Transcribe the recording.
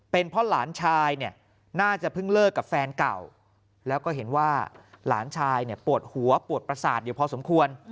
เป็นเพราะหลานชายเนี่ยน่าจะเพิ่งเลิกกับแฟนเก่าแล้วก็เห็นว่าหลานชายเนี่ยปวดหัวปวดประสาทอยู่พอสมควร